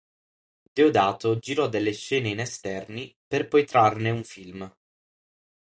Deodato girò delle scene in esterni, per poi trarne un film.